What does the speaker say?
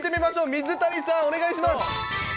水谷さん、お願いします。